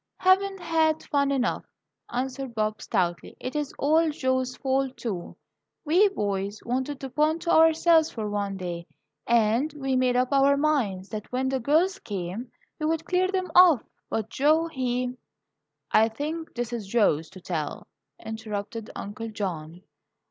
"Haven't had fun enough," answered Bob, stoutly. "It is all Joe's fault, too. We boys wanted the pond to ourselves for one day, and we made up our minds that when the girls came, we would clear them off But Joe, he " "I think this is Joe's to tell," interrupted Uncle John.